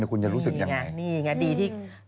อยากจะลุงกันไหนอะไรอีก